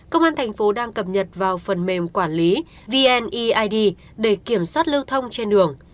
công an tp đang cập nhật vào phần mềm quản lý vneid để kiểm soát lưu thông trên đường